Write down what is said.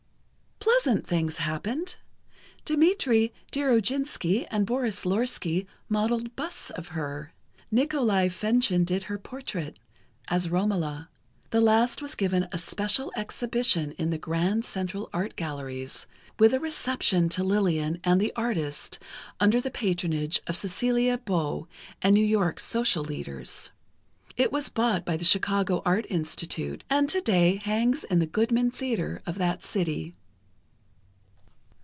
Pleasant things happened: Dimitri Dirujinski and Boris Lorski modeled busts of her; Nicolai Fechin did her portrait, as Romola. The last was given a special exhibition in the Grand Central Art Galleries, with a reception to Lillian and the artist under the patronage of Cecelia Beaux and New York's social leaders. It was bought by the Chicago Art Institute and today hangs in the Goodman Theatre of that city.